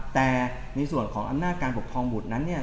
แต่ในส่วนของอำนาจการปกครองบุตรนั้น